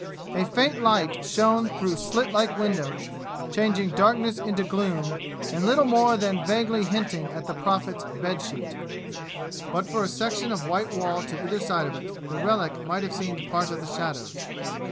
A faint light shone through slit like windows, changing darkness into gloom, and little more than vaguely hinting at the Prophet's bed sheet. But for a section of white wall to either side of it, the relic might have seemed part of the shadows.